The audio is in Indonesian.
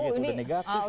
udah negatif tuh